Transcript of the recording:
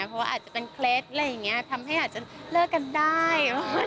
เพราะว่าอาจจะเป็นเคล็ดอะไรอย่างนี้ทำให้อาจจะเลิกกันได้